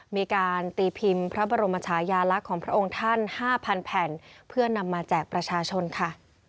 มีการตีพิมพ์พระบรมชายาลักษณ์ของพระองค์ท่าน๕๐๐แผ่นเพื่อนำมาแจกประชาชนค่ะ